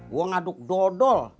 gua ngaduk dodol